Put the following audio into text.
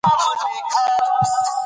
افغانستان له کلي ډک دی.